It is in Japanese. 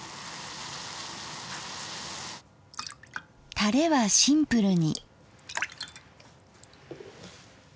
タレはシンプルに。